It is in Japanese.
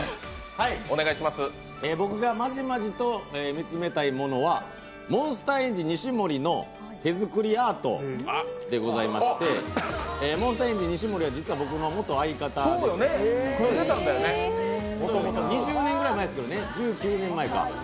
僕がまじまじと見つめたいものは、モンスターエンジン・西森の手作りアートでございまして、モンスターエンジン・西森は実は僕の相方、２０年ぐらい前ですけど１９年前。